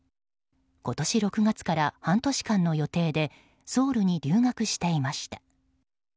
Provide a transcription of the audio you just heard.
今年６月から半年間の予定でソウルに留学していました。